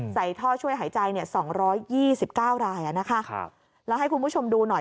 ใส่ท่อช่วยหายใจเนี่ย๒๒๙รายนะคะแล้วให้คุณผู้ชมดูหน่อย